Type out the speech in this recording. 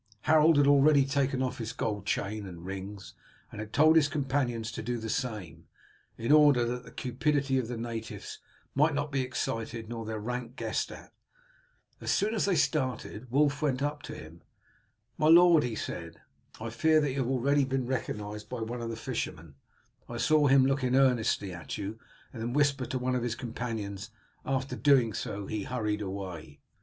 Harold had already taken off his gold chain and rings, and had told his companions to do the same, in order that the cupidity of the natives might not be excited nor their rank guessed at. As soon as they started Wulf went up to him. "My lord," he said, "I fear that you have already been recognized by one of the fishermen. I saw him looking earnestly at you, and then whisper to one of his companions. After doing so he hurried away."